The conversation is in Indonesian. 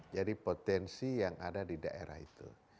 jadi potensi yang ada di daerah itu